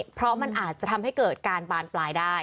เพราะมันอาจจะทำให้เกิดการบานปลายได้